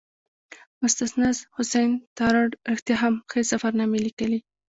مستنصر حسین تارړ رښتیا هم ښې سفرنامې لیکلي.